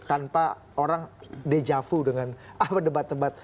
tanpa orang dejavu dengan apa debat debat